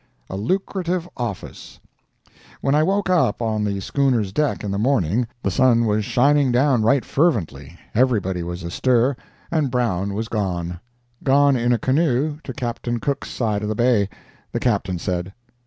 A LUCRATIVE OFFICE When I woke up on the schooner's deck in the morning, the sun was shining down right fervently, everybody was astir, and Brown was gone—gone in a canoe to Captain Cook's side of the bay, the Captain said.